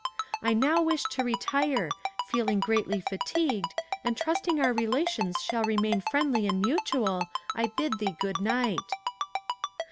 "I now wish to retire, feeling greatly fatigued, and trusting our relations shall remain friendly and mutual, I bid thee good night."